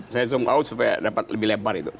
saya zoom out supaya dapat lebih lebar itu